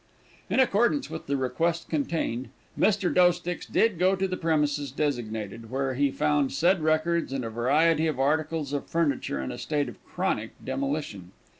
In accordance with the request contained, Mr. Doesticks did go to the premises designated, where he found said records, and a variety of articles of furniture in a state of chronic demolition.